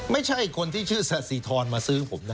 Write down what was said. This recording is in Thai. ไม่ใช่คนที่ชื่อสาธิธรมาซื้อผมนะ